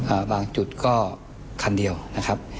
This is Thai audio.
อ่าบางจุดก็คันเดียวนะครับ